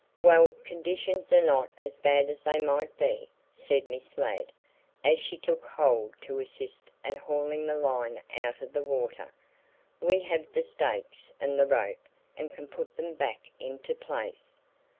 "Well, conditions are not as bad as they might be," said Miss Ladd, as she took hold to assist at hauling the line out of the water. "We have the stakes and the rope and can put them back into place."